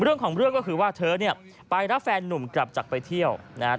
เรื่องของเรื่องก็คือว่าเธอไปรับแฟนหนุ่มกลับจากไปเที่ยว